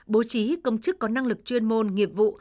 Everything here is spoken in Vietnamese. bố trí công chức có năng lực chuyên môn nghiệp vụ